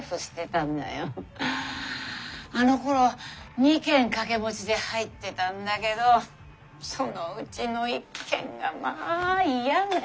あのころ２軒掛け持ちで入ってたんだけどそのうちの一軒がまあ嫌な家でね。